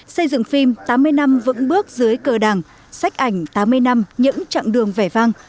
xây dựng phim tám mươi năm vững bước dưới cờ đảng sách ảnh tám mươi năm những chặng đường vẻ vang